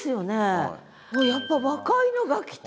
やっぱ若いのが来た！